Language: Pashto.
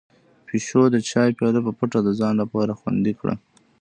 پيشو د چای پياله په پټه د ځان لپاره خوندي کړه.